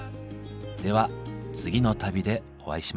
では次の旅でお会いしましょう。